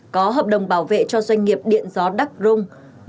có hợp đồng bảo vệ cho doanh nghiệp điện gió đắc rung một trăm hai mươi ba